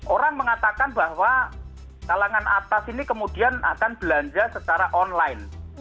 orang mengatakan bahwa kalangan atas ini kemudian akan belanja secara online